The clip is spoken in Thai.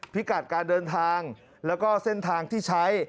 พิกัดการเดินทางแล้วก็เส้นทางที่ใช้